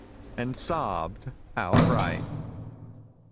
And Sobbed Outright.